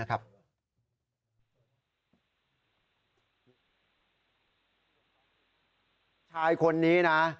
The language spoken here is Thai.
ชายคนนี้นะ